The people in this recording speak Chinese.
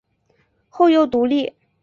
后又独立。